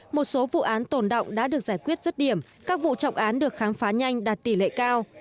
một số vụ án tồn động đã được giải quyết rứt điểm các vụ trọng án được khám phá nhanh đạt tỷ lệ cao